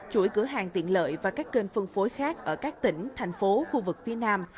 chuỗi cửa hàng tiện lợi và các kênh phân phối khác ở các tỉnh thành phố khu vực phía nam